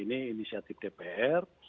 ini inisiatif dpr